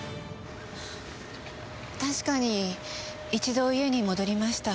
確かに一度家に戻りました。